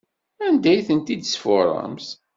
Anda ay tent-id-tesfuṛemt?